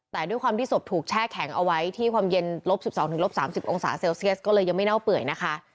แต่ด้วยความที่ศพถูกแช่แข็งเอาไว้ที่ความเย็นลบ๑๒ลบ๓๐องศาเซลเซียสก็เลยยังไม่เน่าเปื่อยนะคะ